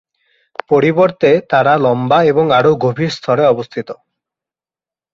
পরিবর্তে তারা লম্বা এবং আরও গভীর স্তরে অবস্থিত।